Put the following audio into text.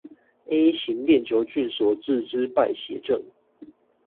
A 型鏈球菌所致之敗血症